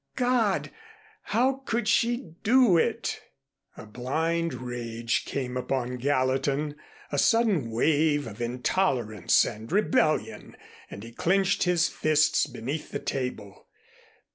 God! How could she do it? A blind rage came upon Gallatin, a sudden wave of intolerance and rebellion, and he clenched his fists beneath the table.